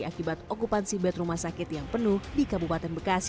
akibat okupansi bed rumah sakit yang penuh di kabupaten bekasi